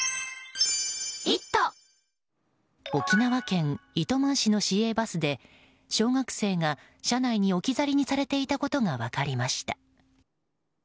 沖縄県糸満市の市営バスで小学生が車内に置き去りにされていたことが分かりました。